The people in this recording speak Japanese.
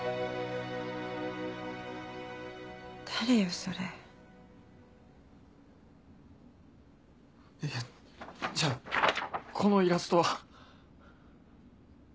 それえっじゃあこのイラストは？